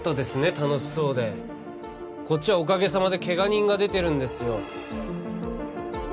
楽しそうでこっちはおかげさまでケガ人が出てるんですよ